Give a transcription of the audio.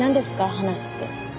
話って。